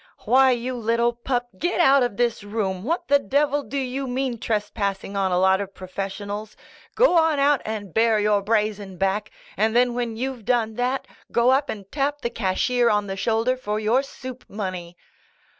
"Why you little pup, git out of this room ! What the devil do you mean, tres passing on a lot of professionals?" "Go on out and bare your brazen back — and then when you've done that, go up and tap the cashier on the shoulder for your soup money